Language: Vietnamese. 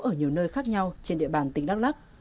ở nhiều nơi khác nhau trên địa bàn tỉnh đắk lắc